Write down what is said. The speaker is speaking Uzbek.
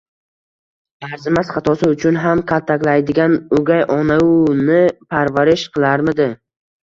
Arzimas xatosi uchun ham kaltaklaydigan o'gay onauni parvarish qilarmidi?!